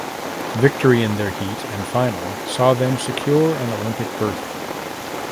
Victory in their heat and final saw them secure an Olympic berth.